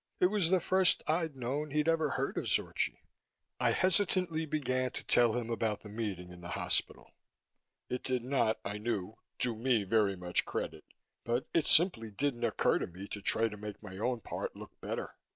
It was the first I'd known he'd ever heard of Zorchi. I hesitantly began to tell him about the meeting in the hospital. It did not, I knew, do me very much credit, but it simply didn't occur to me to try to make my own part look better.